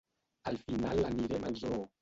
Al final anirem al zoo.